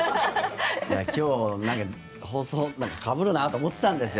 今日、放送かぶるなと思っていたんですよ。